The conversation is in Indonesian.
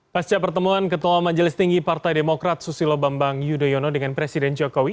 pasca pertemuan ketua majelis tinggi partai demokrat susilo bambang yudhoyono dengan presiden jokowi